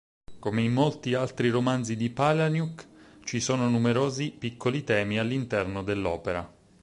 Come in molti altri romanzi di Palahniuk, ci sono numerosi piccoli temi all'interno dell'opera.